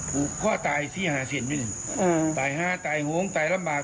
ภูเข้าตายที่หาเสียดด้วยนี่อืมตายห้าตายโหงตายลำบาก